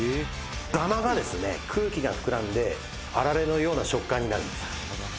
「ダマがですね空気が膨らんであられのような食感になるんです」